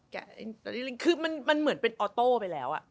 คือมันเหมือนเป็นออโต้ไปแล้วอ่ะ